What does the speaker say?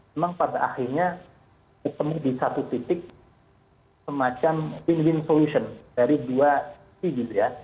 memang pada akhirnya ketemu di satu titik semacam win win solution dari dua sisi gitu ya